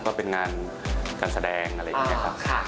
ก็เป็นงานการแสดงอะไรอย่างนี้ครับ